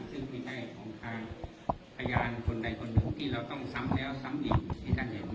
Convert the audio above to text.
ซึ่งเป็นหน้าของทางพยานคนใดคนหนึ่งที่เราต้องซ้ำแล้วซ้ำอีกอย่างที่ท่านเห็น